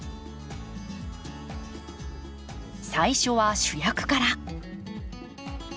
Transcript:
最初は主役から。